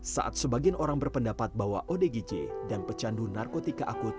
saat sebagian orang berpendapat bahwa odgj dan pecandu narkotika akut